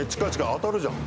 当たるじゃん。